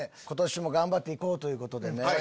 今年も頑張って行こうということで。